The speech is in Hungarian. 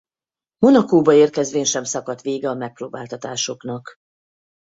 Monacóba érkezvén sem szakadt vége a megpróbáltatásoknak.